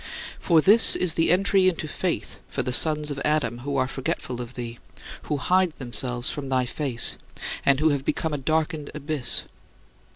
For this is the entry into faith for the sons of Adam who are forgetful of thee, who hide themselves from thy face, and who have become a darkened abyss.